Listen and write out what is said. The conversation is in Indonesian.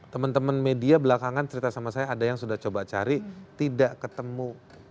teman teman media belakangan cerita sama saya ada yang sudah coba cari tidak ketemu